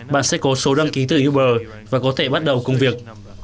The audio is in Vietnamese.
bạn sẽ có số đăng ký từ uber và có thể bắt đầu công việc